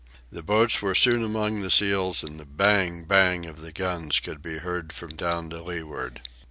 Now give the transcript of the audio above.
The boats were soon among the seals, and the bang! bang! of the guns could be heard from down to leeward.